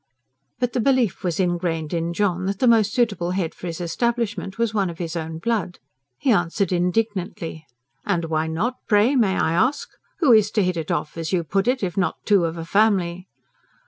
But the belief was ingrained in John that the most suitable head for his establishment was one of his own blood. He answered indignantly. "And why not pray, may I ask? Who IS to hit it off, as you put it, if not two of a family?"